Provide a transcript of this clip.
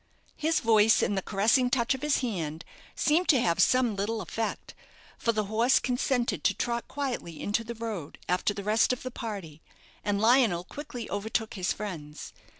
His voice, and the caressing touch of his hand seemed to have some little effect, for the horse consented to trot quietly into the road, after the rest of the party, and Lionel quickly overtook his friends.